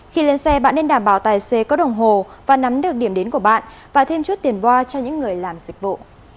khi lên xe bạn nên đảm bảo tài xế có đồng hồ và nắm được điểm đến của bạn và thêm chút tiền boa cho những người làm dịch vụ